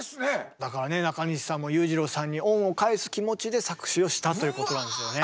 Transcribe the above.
だからねなかにしさんも裕次郎さんに恩を返す気持ちで作詞をしたということなんですよね。